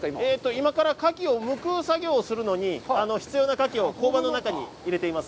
今からカキをむく作業をするのに必要なカキを工場の中に入れています。